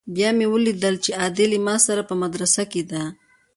بيا مې وليدل چې ادې له ما سره په مدرسه کښې ده.